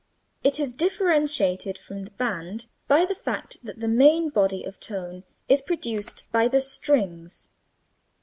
It is differentiated from the band by the fact that the main body of tone is produced by the strings.